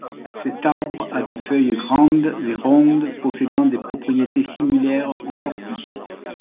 Cet arbre a des feuilles grandes et rondes possédant des propriétés similaires aux orties.